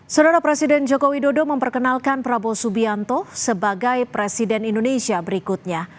saudara presiden joko widodo memperkenalkan prabowo subianto sebagai presiden indonesia berikutnya